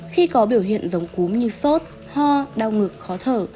khi có biểu hiện giống cúm như sốt ho đau ngực khó thở